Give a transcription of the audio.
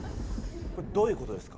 これどういうことですか？